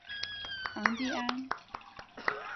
昂蒂安。